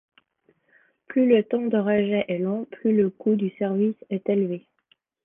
Plus le temps de trajet est long, plus le coût du service est élevé.